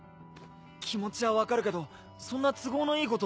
気持ちは分かるけどそんな都合のいいこと。